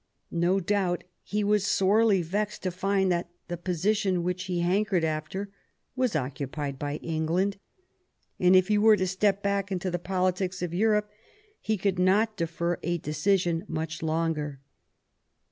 No doubt he was sorely vexed to find that the position which he hankered after was occupied by England; and if he were to step back into the politics of Europe, he could not defer a decision much longer.